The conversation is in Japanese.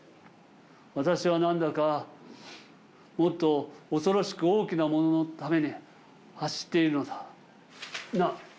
私は何だか、もっと恐ろしく大きなもののために走っているのだ」。